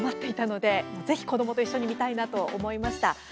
子どもと一緒にぜひ見たいなと思いました。